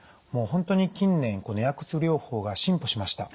もう本当に近年薬物療法が進歩しました。